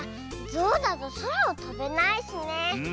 ゾウだとそらをとべないしね。